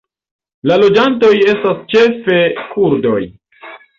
La loĝantoj estas ĉefe kurdoj.